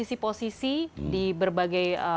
sisi posisi di berbagai